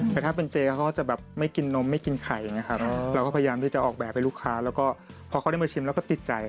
แต่ถ้าเป็นเจเขาก็จะแบบไม่กินนมไม่กินไข่อย่างนี้ครับเราก็พยายามที่จะออกแบบให้ลูกค้าแล้วก็พอเขาได้มาชิมแล้วก็ติดใจ